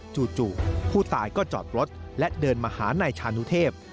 จู่ผู้ตายก็จอดรถและเดินมาหานายชานุเทพ